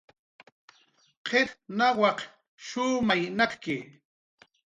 Qit nawaq shumay nakki